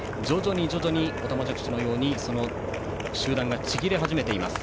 徐々に、おたまじゃくしのように集団がちぎれ始めています。